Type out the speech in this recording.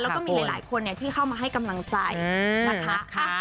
แล้วก็มีหลายคนที่เข้ามาให้กำลังใจนะคะ